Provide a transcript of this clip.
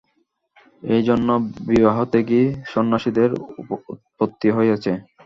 এই জন্যই বিবাহত্যাগী সন্ন্যাসিদলের উৎপত্তি হইয়াছে।